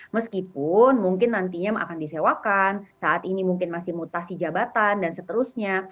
meskipun mungkin nantinya akan disewakan saat ini mungkin masih mutasi jabatan dan seterusnya